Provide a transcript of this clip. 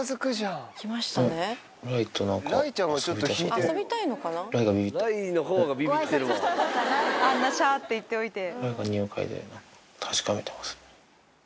あんなシャっていっておいて。